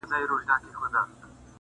لرې کوه ئ چې درته پلار جوړېږي